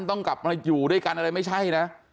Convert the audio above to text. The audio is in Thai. ต้องกลับมาอยู่ด้วยกันอะไรไม่ใช่นะ